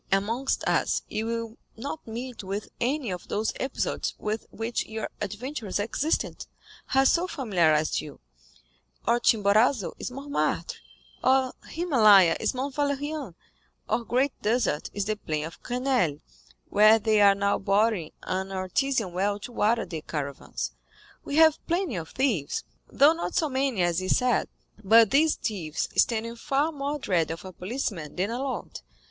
Amongst us you will not meet with any of those episodes with which your adventurous existence has so familiarized you; our Chimborazo is Mortmartre, our Himalaya is Mount Valérien, our Great Desert is the plain of Grenelle, where they are now boring an artesian well to water the caravans. We have plenty of thieves, though not so many as is said; but these thieves stand in far more dread of a policeman than a lord.